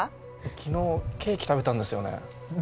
昨日ケーキ食べたんですよね。